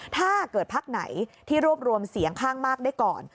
ถ้าเกิดพักไหนที่รวบรวมเสียงข้างมากได้ก่อน